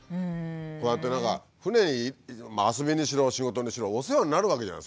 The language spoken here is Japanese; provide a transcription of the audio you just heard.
こうやって何か船に遊びにしろ仕事にしろお世話になるわけじゃん